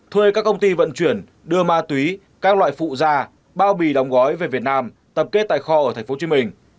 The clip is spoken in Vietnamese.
thuê các công ty vận chuyển đưa ma túy các loại phụ ra bao bì đóng gói về việt nam tập kết tài kho ở tp hcm